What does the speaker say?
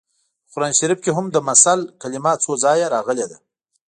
په قران شریف کې هم د مثل کلمه څو ځایه راغلې ده